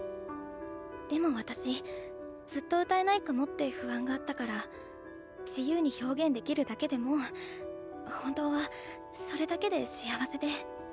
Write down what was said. でも私ずっと歌えないかもって不安があったから自由に表現できるだけでもう本当はそれだけで幸せで。